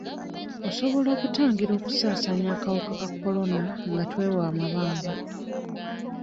Osobola okutangira okusasaanya akawuka ka kolona nga twewa amabanga.